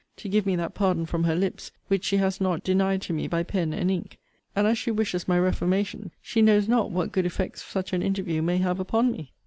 ] to give me that pardon from her lips, which she has not denied to me by pen and ink. And as she wishes my reformation, she knows not what good effects such an interview may have upon me.